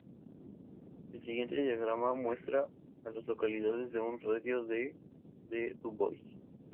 El siguiente diagrama muestra a las localidades en un radio de de Dubois.